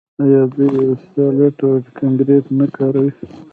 آیا دوی اسفالټ او کانکریټ نه کاروي؟